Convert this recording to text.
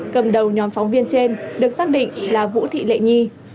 cầm đầu nhóm phóng viên trên được xác định là vũ thị lệ nhi